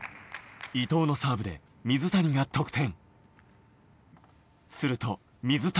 伊藤のサーブで水谷が得点。